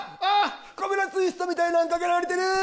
コブラツイストみたいなんかけられてる！